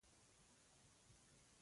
دوی داسې یوو په خبرو یې غوږ نه ږدي.